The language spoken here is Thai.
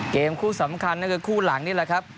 เกมคู่สำคัญก็คือคู่หลังนี่แหละครับ